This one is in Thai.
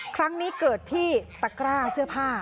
ครั้งนี้เกิดที่ตะกร้าเสื้อผ้า